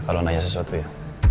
kalau nanya sesuatu ya